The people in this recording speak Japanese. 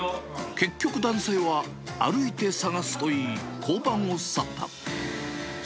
結局、男性は歩いて探すと言い、交番を去った。